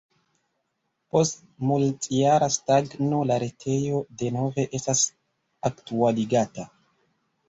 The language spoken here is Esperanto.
Post multjara stagno la retejo denove estas aktualigata.